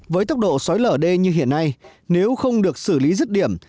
với tốc độ xói lở đê như hiện nay nếu không được xử lý rứt điểm